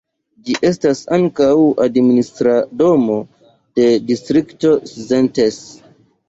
Ĝi estas ankaŭ administra domo de Distrikto Szentes.